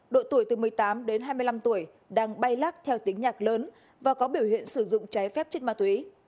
độ tuổi từ một mươi tám đến hai mươi năm tuổi đang bay lắc theo tiếng nhạc lớn và có biểu hiện sử dụng trái phép chất ma túy